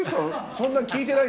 そんなに効いてない？